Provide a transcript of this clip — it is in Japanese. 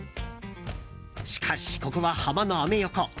しかし、ここはハマのアメ横。